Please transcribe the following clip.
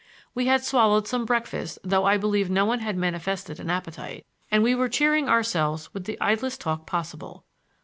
We had swallowed some breakfast, though I believe no one had manifested an appetite, and we were cheering ourselves with the idlest talk possible.